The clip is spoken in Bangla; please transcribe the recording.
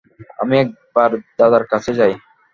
আমি একবার দাদার কাছে যাই।